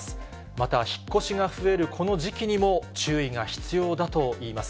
また、引っ越しが増えるこの時期にも、注意が必要だといいます。